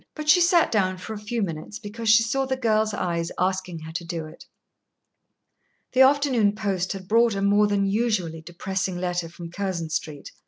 But she sat down for a few minutes, because she saw the girl's eyes asking her to do it. The afternoon post had brought a more than usually depressing letter from Curzon Street.